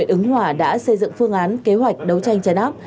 ứng hòa đã xây dựng phương án kế hoạch đấu tranh chấn áp